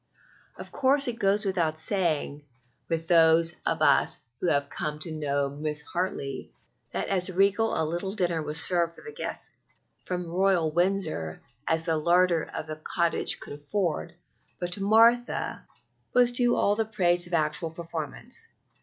Of course it goes without saying with those of us who have come to know Mrs. Hartley, that as regal a little dinner was served for the guests from Royal Windsor as the larder of the cottage could afford; but to Martha was due all the praise of actual performance.